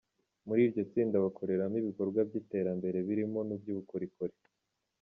Muri iryo tsinda bakoreramo ibikorwa by’iterambere birimo n’iby’ubukorokori.